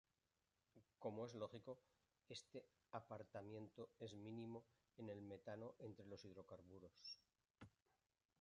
Como es lógico, este apartamiento es mínimo en el metano entre los hidrocarburos.